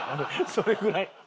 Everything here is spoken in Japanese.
それぐらい。